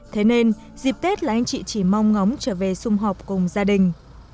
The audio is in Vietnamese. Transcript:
thế nên dịp tết là anh chị chỉ mong ngóng trở về xung họp cùng gia đình